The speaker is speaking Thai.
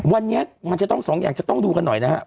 วันนี้มันจะต้องสองอย่างจะต้องดูกันหน่อยนะครับ